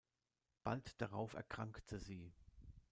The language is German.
Bald darauf erkrankte sie.